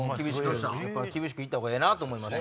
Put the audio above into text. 厳しく言ったほうがええなと思いまして。